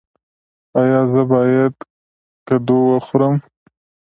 ایا زه باید کدو وخورم؟